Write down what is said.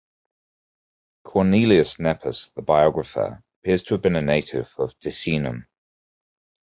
Cornelius Nepos, the biographer, appears to have been a native of Ticinum.